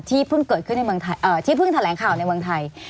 ที่พึ่งเทาแหลงข่าวในเมืองไทย